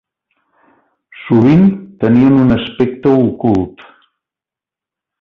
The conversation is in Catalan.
Sovint tenien un aspecte ocult.